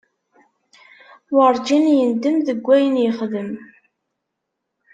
Werǧin yendem deg wayen yexdem.